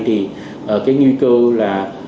thì cái nhu cầu là